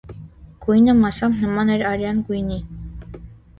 Գույնը մասամբ նման էր արյան գույնի։